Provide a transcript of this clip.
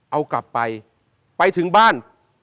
เอากลับไปไปถึงบ้าน